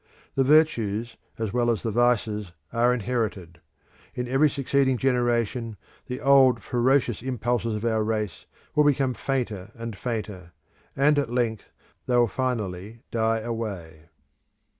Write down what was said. The virtues as well as the vices are inherited; in every succeeding generation the old ferocious impulses of our race will become fainter and fainter, and at length they will finally die away.